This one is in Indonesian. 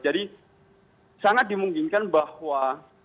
jadi sangat dimungkinkan bahwa